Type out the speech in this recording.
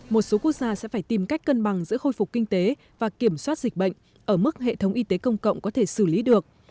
một số quốc gia sẽ phải tìm cách cân bằng giữa khôi phục kinh tế và kiểm soát dịch bệnh ở mức hệ thống y tế công cộng có thể xử lý được